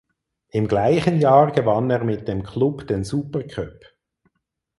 Im gleichen Jahr gewann er mit dem Klub den Supercup.